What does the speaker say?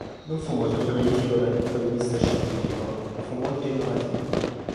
Non fu molto prolifico dal punto di vista scientifico, ma fu molto innovativo.